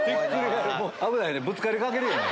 危ないよねぶつかりかけるよね。